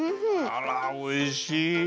あらおいしい。